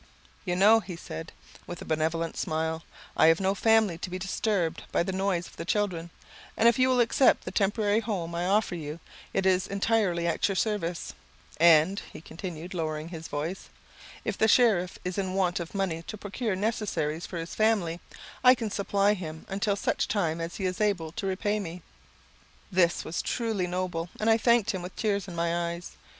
"You know," he said, with a benevolent smile, "I have no family to be disturbed by the noise of the children; and if you will accept the temporary home I offer you, it is entirely at your service; and," he continued, lowering his voice, "if the sheriff is in want of money to procure necessaries for his family, I can supply him until such time as he is able to repay me." This was truly noble, and I thanked him with tears in my eyes.